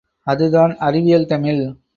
அதுதான் அறிவியல் தமிழ்!